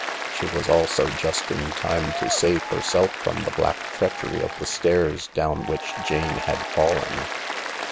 She was also just in time to save herself from the black treachery of the stairs down which Jane had fallen.